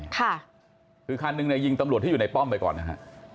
ค่ะคือคันหนึ่งเนี่ยยิงตำรวจที่อยู่ในป้อมไปก่อนนะฮะ